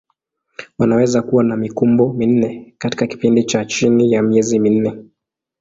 Wanaweza kuwa na mikumbo minne katika kipindi cha chini ya miezi minne.